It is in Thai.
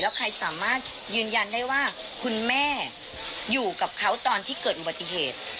แล้วใครสามารถยืนยันได้ว่าคุณแม่อยู่กับเขาตอนที่เกิดอุบัติเหตุ